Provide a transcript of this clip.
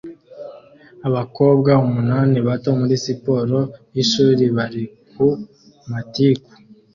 Abakobwa umunani bato muri siporo yishuri bari ku matiku